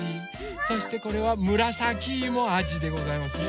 そしてこれはむらさきいもあじでございますね。